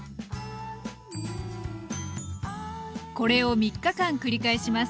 これを３日間繰り返します。